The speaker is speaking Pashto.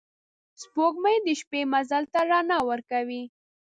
سپوږمۍ د شپې مزل ته رڼا ورکوي